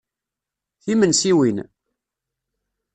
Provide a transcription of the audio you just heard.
Timensiwin!